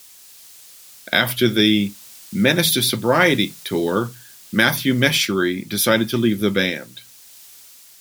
After the "Menace to Sobriety" tour, Matthew Meschery decided to leave the band.